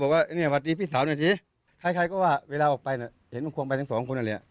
วันที่พี่สาวหน่อยทีใครก็ว่าเวลาออกไปเห็นมันควงไปทั้งสองคนอันนี้